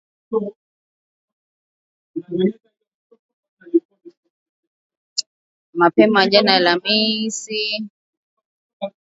Mapema jana Alhamisi, Coons alikutana na rais Uhuru Kenyatta ambapo walifanya majadiliano